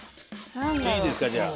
いいですかじゃあ。